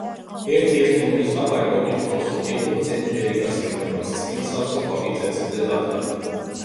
ერთი ესტონური ზღაპარი მოგვითხრობს, რომ იყო ბრძენი ბერიკაცი, რომელმაც წყლით სავსე ქვაბი ცეცხლზე დადგა.